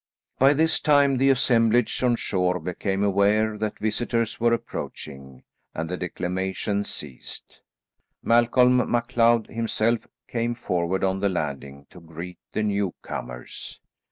By this time the assemblage on shore became aware that visitors were approaching, and the declamation ceased. Malcolm MacLeod himself came forward on the landing to greet the newcomers.